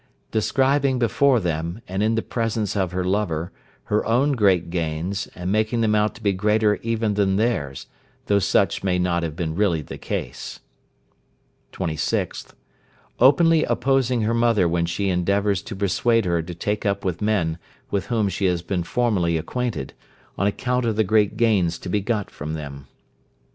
Describing before them, and in the presence of her lover, her own great gains, and making them out to be greater even than theirs, though such may not have been really the case. 26th. Openly opposing her mother when she endeavours to persuade her to take up with men with whom she has been formerly acquainted, on account of the great gains to be got from them.